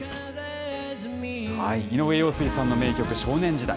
井上陽水さんの名曲、少年時代。